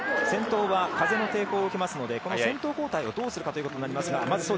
先頭は風の抵抗を受けますので先頭の交代をどうするかということになります。